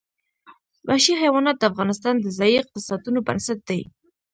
وحشي حیوانات د افغانستان د ځایي اقتصادونو بنسټ دی.